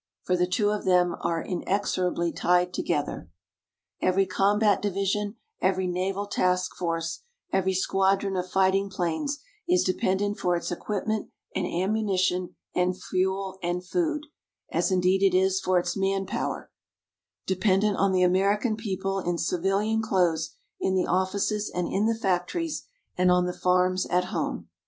For the two of them are inexorably tied together. Every combat division, every naval task force, every squadron of fighting planes is dependent for its equipment and ammunition and fuel and food, as indeed it is for its manpower, dependent on the American people in civilian clothes in the offices and in the factories and on the farms at home.